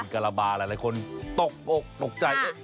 มิงกระลาบาหลายคนตกใจ